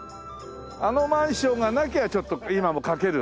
あのマンションがなきゃちょっと今も描けるな。